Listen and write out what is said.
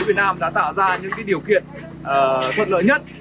đặc biệt là sự nỗ lực của cứu việt nam đã tạo ra những điều kiện thuận lợi nhất